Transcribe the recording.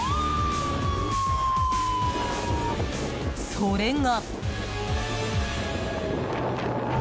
それが。